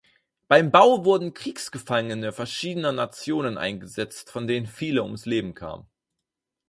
Beim Bau wurden Kriegsgefangene verschiedener Nationen eingesetzt, von denen viele ums Leben kamen.